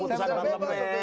keputusan lem lem men